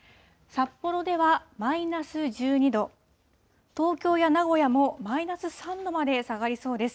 札幌ではマイナス１２度、東京や名古屋もマイナス３度まで下がりそうです。